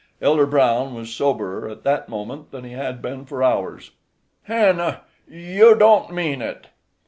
Elder Brown was soberer at that moment than he had been for hours. "Hannah, you don't mean it?"